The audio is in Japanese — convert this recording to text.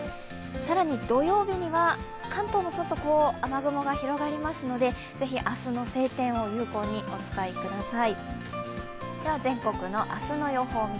更に土曜日には関東にも雨雲が広がりますので是非、明日の晴天を有効にお使いください。